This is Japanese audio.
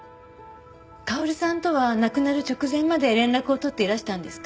薫さんとは亡くなる直前まで連絡を取っていらしたんですか？